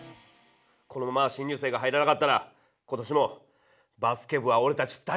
このまま新入生が入らなかったら今年もバスケ部はおれたち２人だけだ！